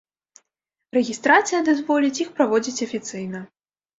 Рэгістрацыя дазволіць іх праводзіць афіцыйна.